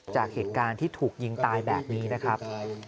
จากเหตุการณ์ที่ถูกยิงตายแบบนี้นะครับ